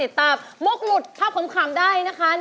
เพลงที่เจ็ดเพลงที่แปดแล้วมันจะบีบหัวใจมากกว่านี้